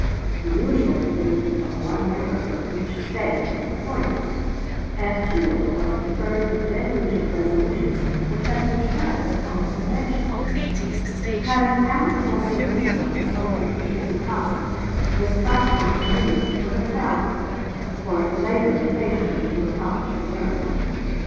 The usual committee of one member from each State was appointed, and to it was referred the deluge of resolutions which had been showered upon the convention. Had an amicable solution of the slavery issue been possible, this platform committee would have found it, for it labored faithfully to accomplish the miracle.